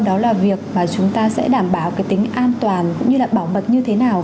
đó là việc chúng ta sẽ đảm bảo tính an toàn cũng như là bảo mật như thế nào